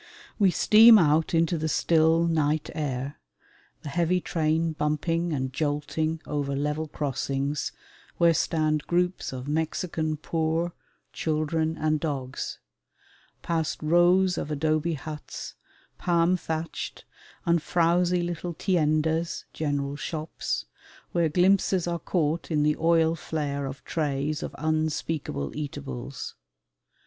We steam out into the still night air, the heavy train bumping and jolting over level crossings where stand groups of Mexican poor, children, and dogs; past rows of adobe huts, palm thatched, and frowsy little tiendas (general shops), where glimpses are caught in the oil flare of trays of unspeakable eatables.